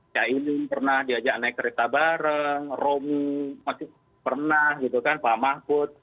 caimin pernah diajak naik kereta bareng romi masih pernah gitu kan pak mahfud